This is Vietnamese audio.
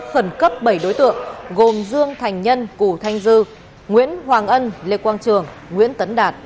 khẩn cấp bảy đối tượng gồm dương thành nhân cù thanh dư nguyễn hoàng ân lê quang trường nguyễn tấn đạt